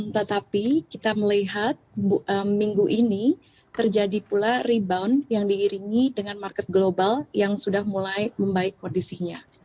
tetapi kita melihat minggu ini terjadi pula rebound yang diiringi dengan market global yang sudah mulai membaik kondisinya